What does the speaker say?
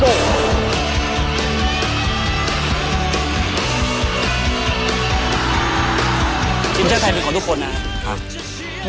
ทีมเจ้าไทยเป็นของทุกคนนะครับ